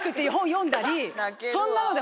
そんなので。